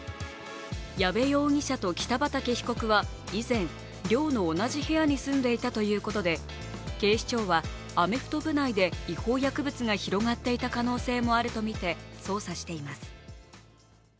矢部容疑者と北畠被告は以前、寮の同じ部屋に住んでいたということで警視庁はアメフト部内で違法薬物が広がっていた可能性もあるとみて捜査しています。